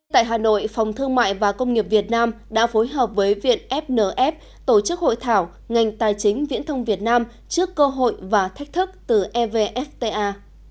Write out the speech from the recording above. tại hà nội phòng thương mại và công nghiệp việt nam đã phối hợp với viện fnf tổ chức hội thảo ngành tài chính viễn thông việt nam trước cơ hội và thách thức từ evfta